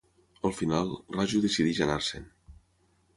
Al final, Raju decideix anar-se'n.